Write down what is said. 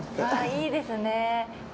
いいですね。